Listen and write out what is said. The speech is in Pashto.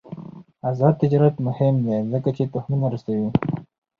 آزاد تجارت مهم دی ځکه چې تخمونه رسوي.